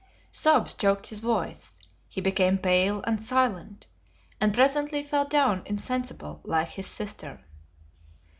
Sobs choked his voice; he became pale and silent, and presently fell down insensible, like his sister.